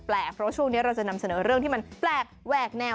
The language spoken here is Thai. เพราะช่วงนี้เราจะนำเสนอเรื่องที่มันแปลกแหวกแนว